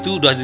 ya pak haji